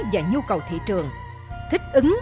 và nhu cầu thị trường thích ứng